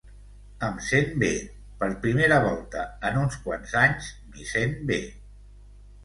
Em sent bé, per primera volta en uns quants anys, m'hi sent bé.